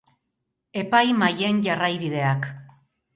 Epaimahaien jarraibideak.